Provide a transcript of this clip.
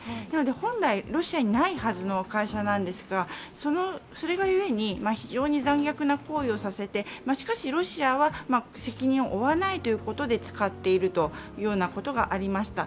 本来、ロシアにないはずの会社なんですが、それがゆえに非常に残虐な行為をさせて、しかし、ロシアは責任を負わないということで使っているということがありました。